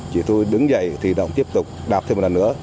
chị thu đứng dậy thì động tiếp tục đạp thêm một lần nữa